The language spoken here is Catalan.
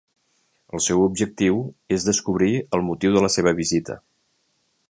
El seu objectiu és descobrir el motiu de la seva visita.